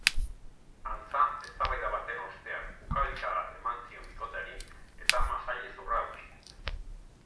Antza, eztabaida baten ostean ukabilkada bat eman zion bikoteari eta masailezurra hautsi.